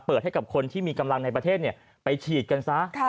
ให้กับคนที่มีกำลังในประเทศไปฉีดกันซะ